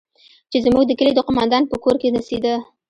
چې زموږ د کلي د قومندان په کور کښې نڅېده.